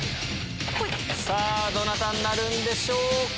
さぁどなたになるんでしょうか？